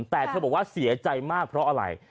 แต่เธอบอกว่าเสียใจมากเพราะอะไร